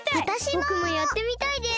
ぼくもやってみたいです！